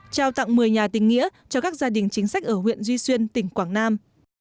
trao tặng một mươi nhà tình nghĩa cho các gia đình chính sách ở huyện duy xuyên tỉnh quảng nam